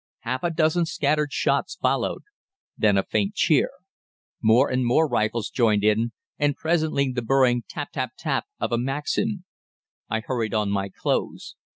Half a dozen scattered shots followed; then a faint cheer. More and more rifles joined in, and presently the burring tap tap tap of a Maxim. I hurried on my clothes.